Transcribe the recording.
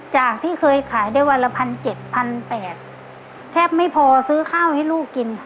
จากที่เคยขายได้วันละ๑๗๘๐๐บาทแทบไม่พอซื้อข้าวให้ลูกกินค่ะ